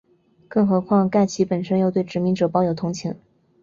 更何况盖奇本身又对殖民者抱有同情。